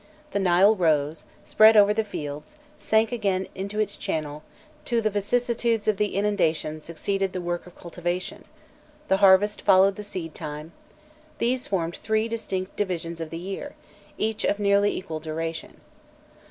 The Nile rose, spread over the fields, sank again into its channel; to the vicissitudes of the inundation succeeded the work of cultivation; the harvest followed the seedtime: these formed three distinct divisions of the year, each of nearly equal duration.